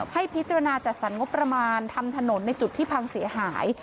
ให้พิจารณาจัดสรรงบประมาณทำถนนในจุดที่พังเสียหาย